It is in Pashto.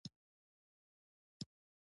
د ښو ملګرو شتون ژوند کې خوښي زیاتوي